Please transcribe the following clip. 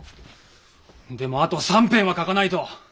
でもあと３編は書かないと。